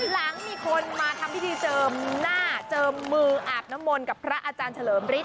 หลังมีคนมาทำพิธีเจิมหน้าเจิมมืออาบน้ำมนต์กับพระอาจารย์เฉลิมฤทธ